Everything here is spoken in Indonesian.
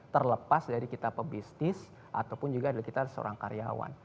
terlepas dari kita pebisnis ataupun juga adalah kita seorang karyawan